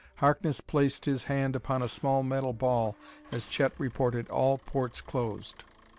Harkness placed his hand upon a small metal ball as Chet reported all ports closed.